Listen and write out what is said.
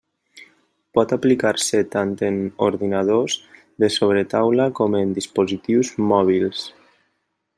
Pot aplicar-se tant en ordinadors de sobretaula com en dispositius mòbils.